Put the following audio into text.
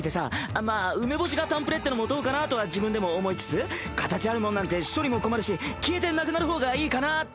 あっまあ梅干しが誕プレってのもどうかなぁとは自分でも思いつつ形あるもんなんて処理も困るし消えてなくなる方がいいかなぁって。